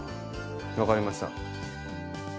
分かりました。